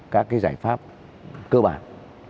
các giải pháp cơ bản